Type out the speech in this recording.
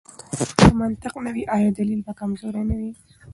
که منطق نه وي، آیا دلیل به کمزوری نه وي؟